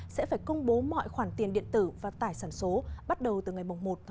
sẽ phải công bố mọi khoản tiền điện tử và tài sản số bắt đầu từ ngày một một hai nghìn hai mươi